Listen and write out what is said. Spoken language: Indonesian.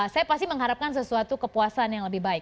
saya pasti mengharapkan sesuatu kepuasan yang lebih baik